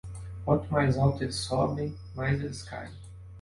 Quanto mais alto eles sobem, mais eles caem.